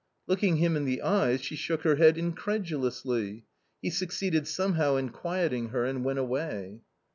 Looking him in the eyes, she shook her head incredu lously. He succeeded somehow in quieting her and went away.